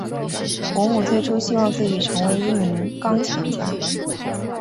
伯姆最初希望自己成为一名钢琴家。